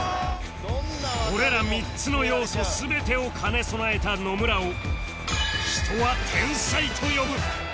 これら３つの要素全てを兼ね備えた野村を人は「天才」と呼ぶ